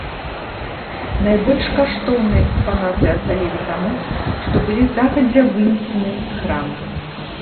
Найбольш каштоўныя экспанаты ацалелі таму, што былі загадзя вынесеныя з храму.